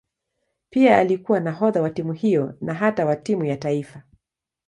Pia alikuwa nahodha wa timu hiyo na hata wa timu ya taifa.